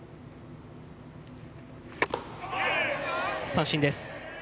三振です。